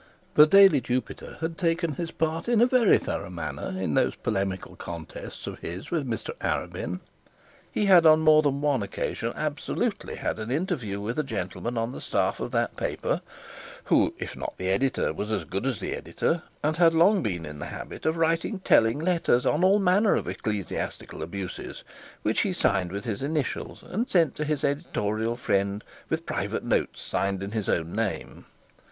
The daily Jupiter had taken his part in a very thorough manner in those polemical contests of his with Mr Arabin; he had on more than one occasion absolutely had an interview with a gentleman on the staff of the paper, who, if not the editor, was as good as the editor; and had long been in the habit of writing telling letters with his initials, and sent to his editorial friend with private notes signed in his own name.